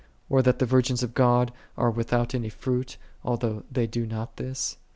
or that the virgins j of God are without any fruit, although they do not this